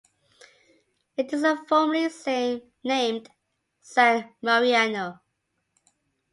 It is formerly named San Mariano.